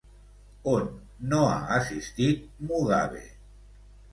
On no ha assistit Mugabe?